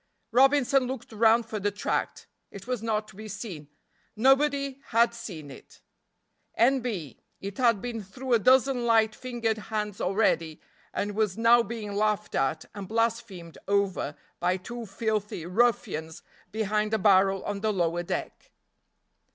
Robinson looked round for the tract; it was not to be seen; nobody had seen it. N. B. It had been through a dozen light fingered hands already and was now being laughed at and blasphemed over by two filthy ruffians behind a barrel on the lower deck.